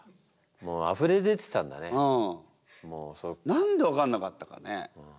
何で分かんなかったかね。